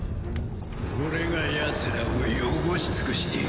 俺がやつらを汚し尽くしてやる。